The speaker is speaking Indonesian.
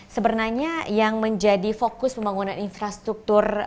sebenarnya yang menjadi fokus pembangunan infrastruktur